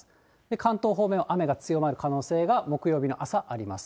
関東方面は雨が強まる可能性が、木曜日の朝、あります。